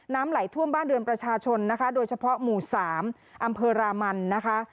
ไหลท่วมบ้านเรือนประชาชนนะคะโดยเฉพาะหมู่สามอำเภอรามันนะคะ